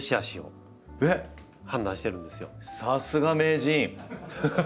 さすが名人！